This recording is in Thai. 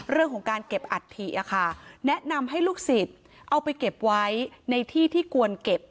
เรื่องของการเก็บอัฐิค่ะแนะนำให้ลูกศิษย์เอาไปเก็บไว้ในที่ที่ควรเก็บ